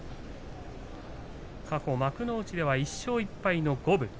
過去、幕内では１勝１敗の五分。